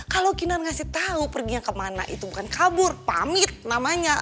kalau kina ngasih tahu perginya kemana itu bukan kabur pamit namanya